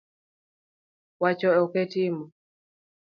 Wacho ok e timo